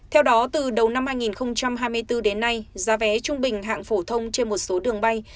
theo đó từ đầu năm hai nghìn hai mươi bốn đến nay giá vé trung bình hạng phổ thông trên một số đường bay